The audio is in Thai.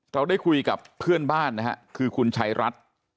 เราได้คุยกับเพื่อนบ้านนะฮะคือคุณชัยรัฐ